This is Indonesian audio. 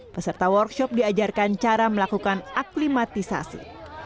peserta workshop diajarkan cara melakukan aklimatisasi